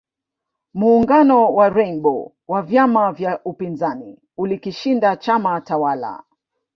Muungano wa Rainbow wa vyama vya upinzani ulikishinda chama tawala